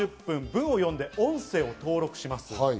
１５分から３０分、文を読んで、音声を登録します。